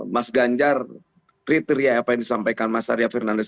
mas ganjar kriteria apa yang disampaikan mas arya fernandes